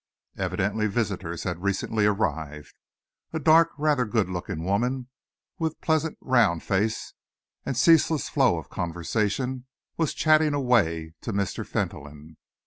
Evidently visitors had recently arrived. A dark, rather good looking woman, with pleasant round face and a ceaseless flow of conversation, was chattering away to Mr. Fentolin.